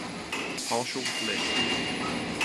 Partial list